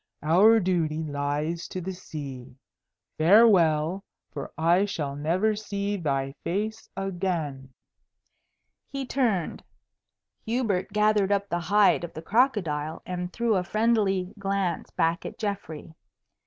"Our duty lies to the sea. Farewell, for I shall never see thy face again." He turned. Hubert gathered up the hide of the crocodile and threw a friendly glance back at Geoffrey.